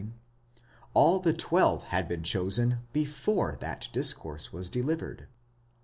all the twelve had been chosen before that discourse was delivered.